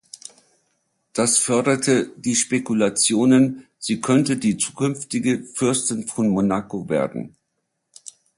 Das förderte die Spekulationen, sie könnte die zukünftige Fürstin von Monaco werden.